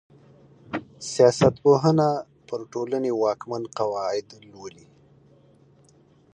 سياست پوهنه پر ټولني واکمن قواعد لولي.